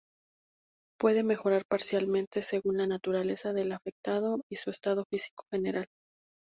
Puede mejorar parcialmente, según la naturaleza del afectado y su estado físico general.